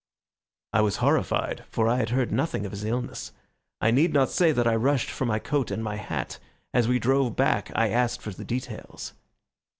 I was horrified for I had heard nothing of his illness. I need not say that I rushed for my coat and my hat. As we drove back I asked for the details.